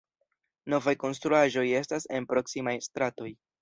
Novaj konstruaĵoj estas en proksimaj stratoj.